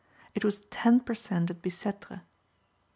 it was ten per cent. at Bicêtre.